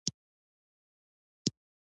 افغانستان د اسلامي تمدن برخه ده.